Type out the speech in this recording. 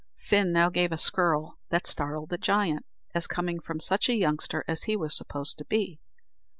Fin now gave a skirl that startled the giant, as coming from such a youngster as he was supposed to be.